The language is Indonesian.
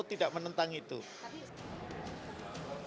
tidak menentang atau tidak menentang itu